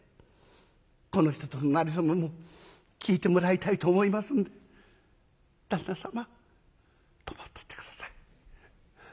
この人とのなれ初めも聞いてもらいたいと思いますんで旦那様泊まってって下さい。